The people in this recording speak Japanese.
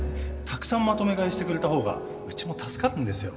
たくさんまとめ買いしてくれた方がうちも助かるんですよ。